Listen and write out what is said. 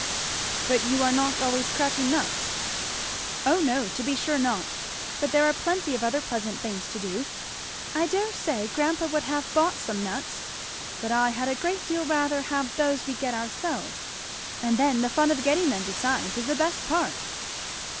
"But you are not always cracking nuts." "O no, to be sure not; but there are plenty of other pleasant things to do. I dare say grandpa would have bought some nuts, but I had a great deal rather have those we get ourselves, and then the fun of getting them, besides, is the best part."